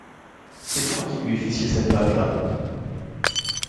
C’est moi qui lui ai ficelé cette patte-là.